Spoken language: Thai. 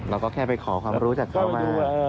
เราก็แค่ไปขอความรู้จากเขามา